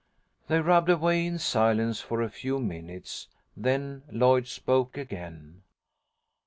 They rubbed away in silence for a few minutes, then Lloyd spoke again.